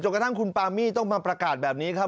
กระทั่งคุณปามี่ต้องมาประกาศแบบนี้ครับ